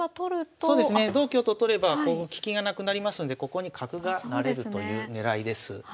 そうですね同香と取れば利きがなくなりますんでここに角が成れるという狙いです。